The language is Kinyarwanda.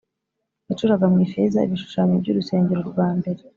yacuraga mu ifeza ibishushanyo by urusengero rwambere